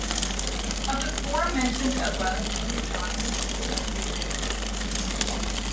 Of the four mentioned above, only Donnelly was successfully re-elected.